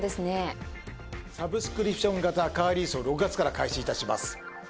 サブスクリプション型カーリースを６月から開始致します。